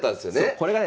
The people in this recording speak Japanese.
これがね